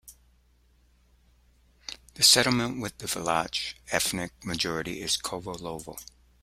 The settlement with a Vlach ethnic majority is Kovilovo.